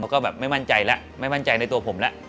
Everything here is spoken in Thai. เขาก็ไม่มั่นใจในตัวผมแล้ว